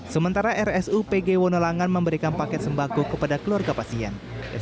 sementara rsu pg wonolangan memberikan paket sembako kepada keluarga pasien